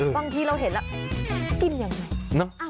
บางทีเราเห็นแล้วกินยังไง